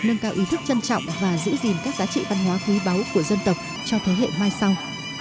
nâng cao ý thức trân trọng và giữ gìn các giá trị văn hóa quý báu của dân tộc cho thế hệ mai sau